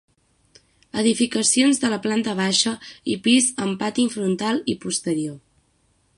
Edificacions de planta baixa i pis amb pati frontal i posterior.